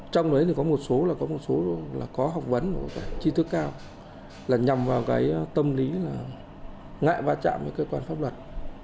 trong đấy thì có một số là có một số là có học vấn chi thức cao là nhằm vào cái tâm lý là ngại va chạm với cơ quan pháp luật